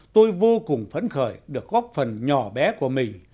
tôi vô cùng phấn khởi được góp phần nhỏ bé của mình